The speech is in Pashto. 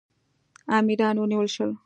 امیران ونیول شول.